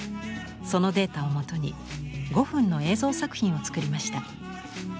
そのデータをもとに５分の映像作品を作りました。